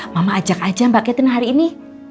mama ajak aja mbak ketin hari ini